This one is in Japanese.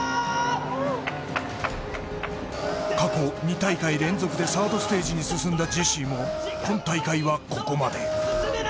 過去２大会連続でサードステージに進んだジェシーも今大会はここまで。